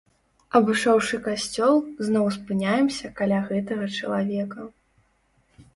Абышоўшы касцёл, зноў спыняемся каля гэтага чалавека.